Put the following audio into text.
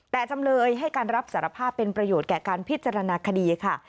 แต่จำเลยให้การรับสารภาพเป็นประโยชนแก่การพิจารณาคดีค่ะ